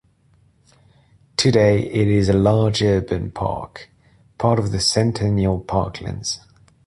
Today it is a large urban park, part of the Centennial Parklands.